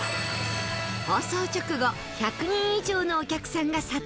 放送直後１００人以上のお客さんが殺到